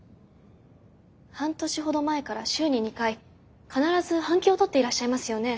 半年ほど前から週に２回必ず半休を取っていらっしゃいますよね。